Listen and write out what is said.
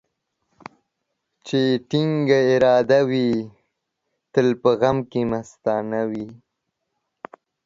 چي يې ټينگه اراده وي ، تل په غم کې مستانه وي.